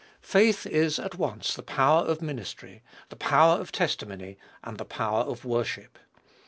Faith is, at once, the power of ministry, the power of testimony, and the power of worship.